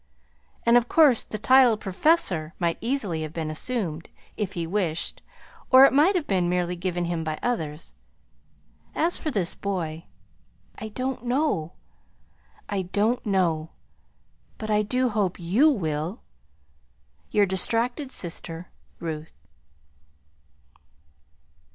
And of course the title 'Professor' might easily have been assumed, if he wished, or it might have been merely given him by others. As for this boy I don't know, I don't know but I do hope YOU will! "Your distracted sister, "RUTH."